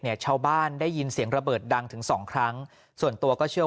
ชาวบ้านได้ยินเสียงระเบิดดังถึงสองครั้งส่วนตัวก็เชื่อ